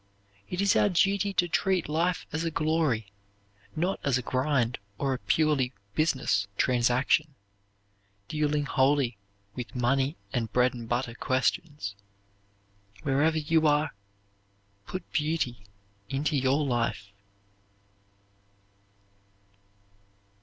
It is our duty to treat life as a glory, not as a grind or a purely business transaction, dealing wholly with money and bread and butter questions. Wherever you are, put beauty into your life.